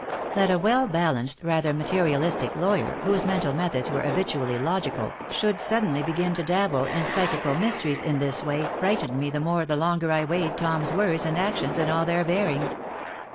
That a well balanced, rather materialistic lawyer, whose mental methods were habitually logical, should suddenly begin to dabble in psychical mysteries in this way frightened me the more the longer I weighed Tom's words and actions in all their bearings.